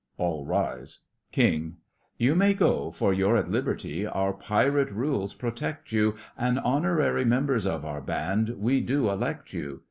(all rise) KING: You may go, for you're at liberty, our pirate rules protect you, And honorary members of our band we do elect you!